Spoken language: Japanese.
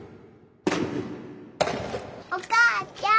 お母ちゃん？